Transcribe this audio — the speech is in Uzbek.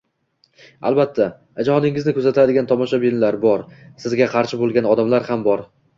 Albatta, ijodingizni kuzatadigan tomoshabinlar bor, sizga qarshi boʻlgan odamlar ham bor.